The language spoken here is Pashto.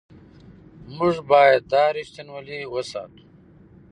موږ باید دا رښتینولي وساتو.